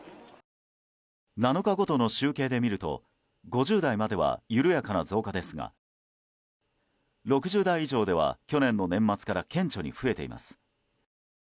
７日ごとの集計で見ると５０代までは緩やかな増加ですが６０代以上では去年の年末から顕著に増えています。